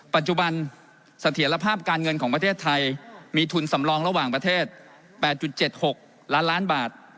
ปัจจุบันเสถียรภาพการเงินของประเทศไทยมีทุนสำรองระหว่างประเทศ๘๗๖ล้านล้านบาท